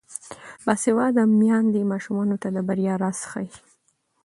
باسواده میندې ماشومانو ته د بریا راز ښيي.